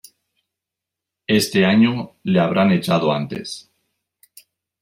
Este año le habrán echado antes.